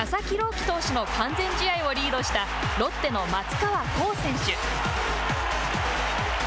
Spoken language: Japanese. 希投手の完全試合をリードしたロッテの松川虎生選手。